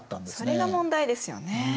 それが問題ですよね。